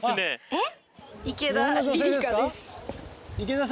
えっ？